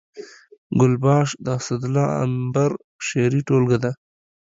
ګل پاش د اسدالله امبر شعري ټولګه ده